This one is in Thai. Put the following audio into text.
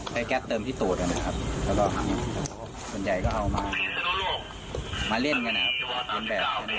แก๊สเติมที่ตรวจนะครับแล้วก็ส่วนใหญ่ก็เอามาเล่นกันนะครับเรียนแบบ